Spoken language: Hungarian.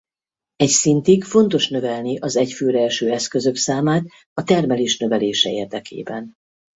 Egy szintig fontos növelni az egy főre eső eszközök számát a termelés növelése érdekében.